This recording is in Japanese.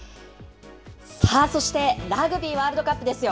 さあ、そしてラグビーワールドカップですよ。